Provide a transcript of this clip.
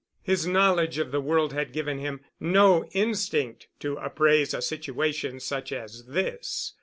His knowledge of the world had given him no instinct to appraise a situation such as this.